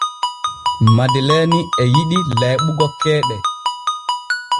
Madeleeni e yiɗi layɓugo keeɗe.